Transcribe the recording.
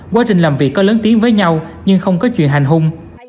quá trình làm việc có lớn tiếng với nhau nhưng không có chuyện hành hung